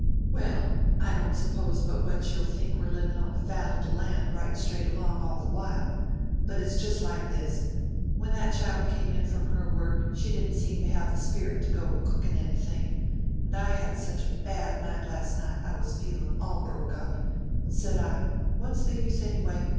"Well, I don't suppose but what you'll think we're livin' on the fat o' the land, right straight along, all the while. But it's just like this. When that child came in from her work, she didn't seem to have the spirit to go to cookin' anything, and I had such a bad night last night I was feelin' all broke up, and s'd I, what's the use, anyway?